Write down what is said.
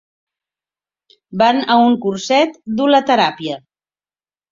Van a un curset d'hulateràpia.